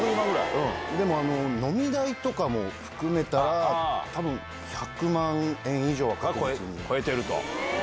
でも、飲み代とかも含めたら、たぶん、１００万円以上は確実に。超えてると。